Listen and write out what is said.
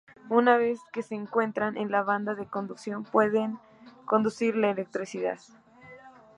Una vez que se encuentran en la banda de conducción pueden conducir la electricidad.